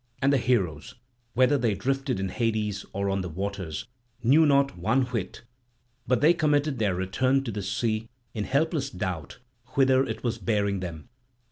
And the heroes, whether they drifted in Hades or on the waters, knew not one whit; but they committed their return to the sea in helpless doubt whither it was bearing them.